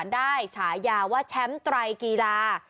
ฉายาว่าแชมป์ไตรกีฬา